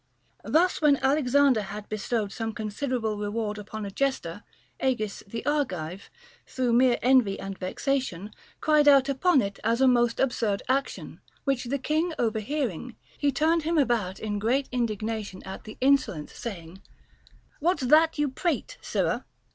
Thus when Alexander had bestowed some considerable reward upon a jester, Agis the Argive, through mere envy and vexation, cried out upon it as a most absurd action ; which the king overhearing, he turned him about in great indignation at the insolence, saying, What's that you prate, sirrah